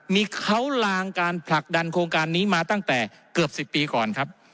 มีเขาลางการผลักดันโครงการนี้มาตั้งแต่เกือบ๑๐ปีก่อนครับ